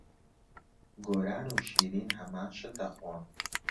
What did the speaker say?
گۆران و شیرین هەمان شت دەخۆن.